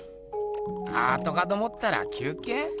アートかと思ったら休けい？